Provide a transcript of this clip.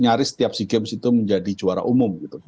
nyaris setiap sea games itu menjadi juara umum